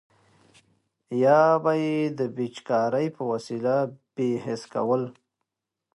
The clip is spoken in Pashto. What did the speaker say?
یا به یې د پیچکارۍ په وسیله بې حس کول.